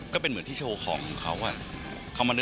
ก็เป็นเหมือนที่โชว์ของของเขาอะ